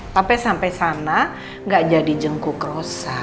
pape sampe sana gak jadi jengkuk rosa